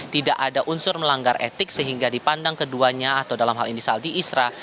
tidak ada unsur melanggar etik sehingga dipandang keduanya atau dalam hal ini saldi isra